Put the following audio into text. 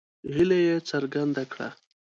هیله یې څرګنده کړه.